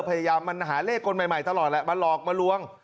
พยายามมันหาเลขคนใหม่ตลอดแหละมาหลอกมาลวง